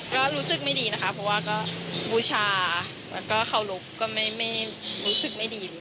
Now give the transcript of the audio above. ก็รู้สึกไม่ดีนะคะเพราะว่าก็บูชาแล้วก็เคารพก็ไม่รู้สึกไม่ดี